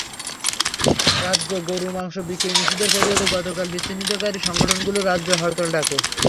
রাজ্যে গরুর মাংস বিক্রি নিষিদ্ধের প্রতিবাদে গতকালই বিচ্ছিন্নতাবাদী সংগঠনগুলো রাজ্যে হরতাল ডাকে।